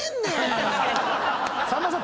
さんまさん